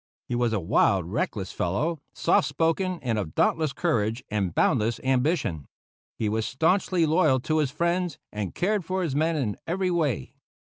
He was a wild, reckless fellow, soft spoken, and of dauntless courage and boundless ambition; he was staunchly loyal to his friends, and cared for his men in every way.